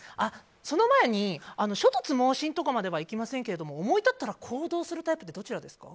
その前に猪突猛進とまではいきませんけど思い立ったら行動するタイプってどちらですか？